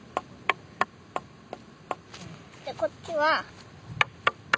でこっちは。